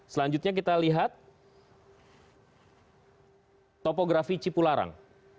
selanjutnya kita lihat topografi cipularang